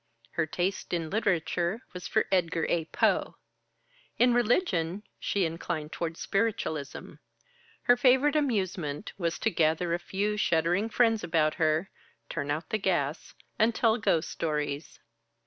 Her taste in literature was for Edgar A. Poe. In religion she inclined toward spiritualism. Her favorite amusement was to gather a few shuddering friends about her, turn out the gas, and tell ghost stories.